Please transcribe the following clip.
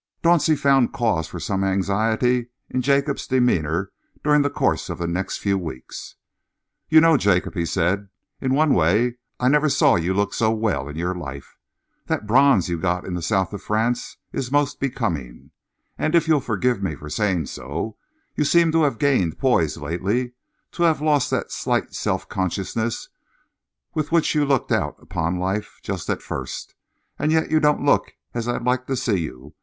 Dauncey found cause for some anxiety in Jacob's demeanour during the course of the next few weeks. "You know, Jacob," he said, "in one way I never saw you look so well in your life. That bronze you got in the south of France is most becoming, and, if you'll forgive my saying so, you seem to have gained poise lately, to have lost that slight self consciousness with which you looked out upon life just at first. And yet you don't look as I'd like to see you.